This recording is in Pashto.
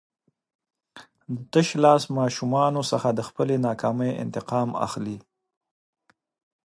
د تشلاس ماشومانو څخه د خپلې ناکامۍ انتقام اخلي.